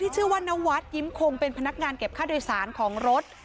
ชื่อว่านวัดยิ้มคงเป็นพนักงานเก็บค่าโดยสารของรถ